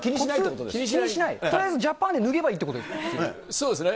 とりあえずジャパンで脱げばいいそうですね。